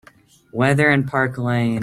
Weather in Park Layne